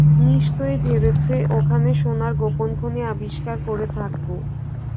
নিশ্চয় ভেবেছে, ওখানে সোনার গোপন খনি আবিষ্কার করে থাকব।